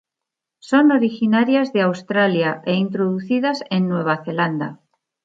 Son originarias de Australia, e introducidas en Nueva Zelanda.